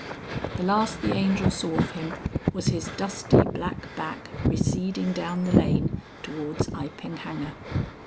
The last the Angel saw of him was his dusty black back receding down the lane towards Iping Hanger.